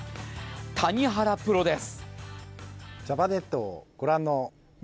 谷原プロです。